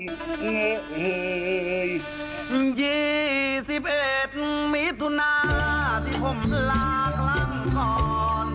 ยี่สิบเอ็ดมีทุนาที่ผมลาครั้งก่อน